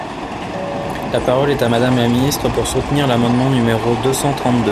La parole est à Madame la ministre, pour soutenir l’amendement numéro deux cent trente-deux.